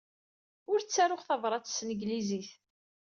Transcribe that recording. Ur ttaruɣ tabṛat s tanglizit.